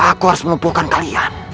aku harus memupukkan kalian